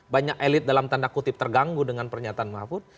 banyak elit dalam tanda kutip terganggu dengan pernyataan mahfud